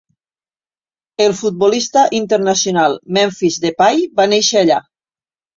El futbolista internacional Memphis Depay va néixer allà.